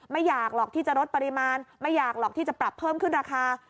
ไม่อยากหรอกที่จะลดปริมาณไม่อยากหรอกที่จะปรับเพิ่มขึ้นราคา